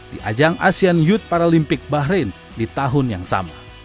di ajang asean youth paralimpik bahrain di tahun yang sama